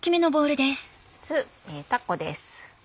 まずたこです。